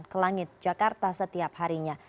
ke langit jakarta setiap harinya